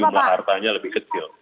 jumlah hartanya lebih kecil